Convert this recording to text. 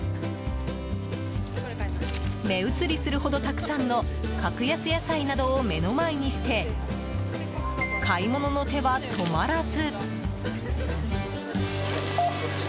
目移りするほど、たくさんの格安野菜などを目の前にして買い物の手は止まらず。